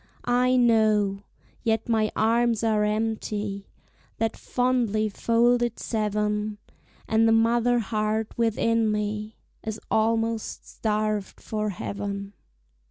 I know, yet my arms are empty, That fondly folded seven, And the mother heart within me Is almost starved for heaven.